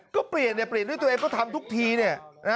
ก็เปลี่ยนเนี่ยเปลี่ยนด้วยตัวเองก็ทำทุกทีเนี่ย